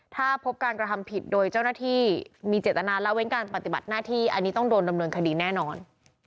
ถ้าพบการกระทำผิดโดยเจ้าหน้าที่มีเจตนาละเว้นการปฏิบัติหน้าที่อันนี้ต้องโดนดำเนินคดีแน่นอน